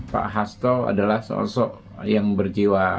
pak hasto adalah sosok yang berjiwa